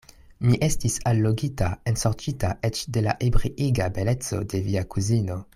Mi estis allogita, ensorĉita eĉ de la ebriiga beleco de via kuzino.